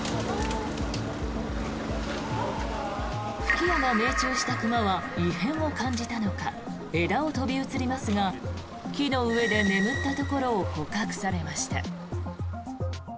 吹き矢が命中した熊は異変を感じたのか枝を飛び移りますが木の上で眠ったところを捕獲されました。